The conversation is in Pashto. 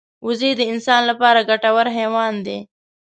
وزې د انسان لپاره ګټور حیوان دی